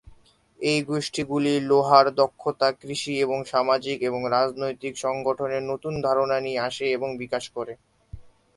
এই গোষ্ঠীগুলি লোহার দক্ষতা, কৃষি এবং সামাজিক এবং রাজনৈতিক সংগঠনের নতুন ধারণা নিয়ে আসে এবং বিকাশ করে।